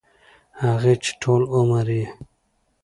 هغـې چـې ټـول عـمر يـې